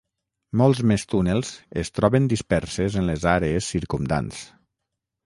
Molts més túnels es troben disperses en les àrees circumdants.